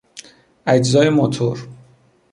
اجزای موتور